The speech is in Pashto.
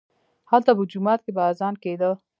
هلته په جومات کښې به اذان کېده.